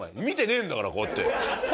見てねえんだからこうやって。